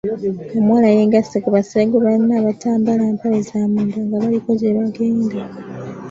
Omuwala yeggase ku baseegu banne abatambala mpale za munda nga baliko je bagenda.